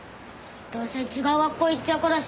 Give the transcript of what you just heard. どうせ違う学校行っちゃう子だし。